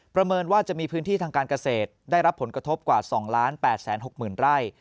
เมินว่าจะมีพื้นที่ทางการเกษตรได้รับผลกระทบกว่า๒๘๖๐๐๐ไร่